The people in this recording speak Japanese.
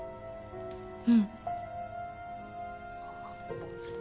うん。